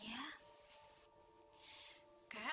kamu enggak dimaksa